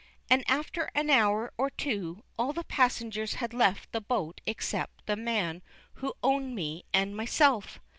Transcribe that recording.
and after an hour or two, all the passengers had left the boat except the man who owned me and myself.